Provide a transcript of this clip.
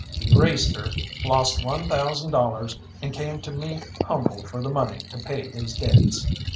He raced her, lost one thousand dollars, and came to me humble for the money to pay his debts.